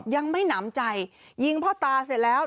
ยังไม่หนำใจยิงพ่อตาเสร็จแล้ว